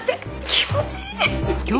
気持ちいい！